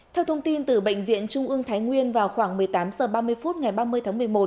theo thông tin từ bệnh viện trung ương thái nguyên vào khoảng một mươi tám h ba mươi phút ngày ba mươi tháng một mươi một